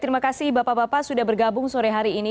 terima kasih bapak bapak sudah bergabung sore hari ini